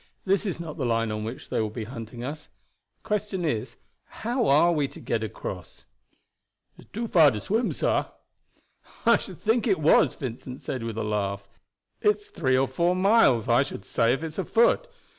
This is not the line on which they will be hunting us. The question is how are we to get across?" "It's too far to swim, sah." "I should think it was," Vincent said with a laugh. "It's three or four miles, I should say, if it's a foot.